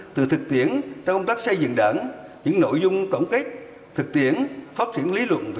từ thực tiễn trong công tác xây dựng đảng những nội dung tổng kết thực tiễn phát triển lý luận